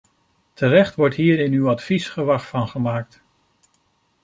Terecht wordt hier in uw advies gewag van gemaakt.